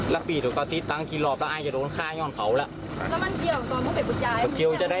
แล้วทำไมถอดเสื้อผ้านเขาครับ